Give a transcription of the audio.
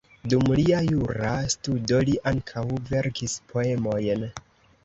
Dum lia jura studo li ankaŭ verkis poemojn.